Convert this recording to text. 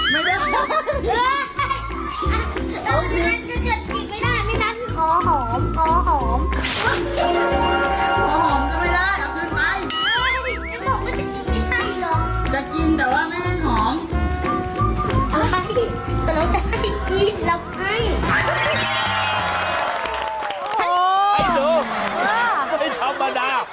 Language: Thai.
ใครที่รู้จ๋าไม่ธรรมดา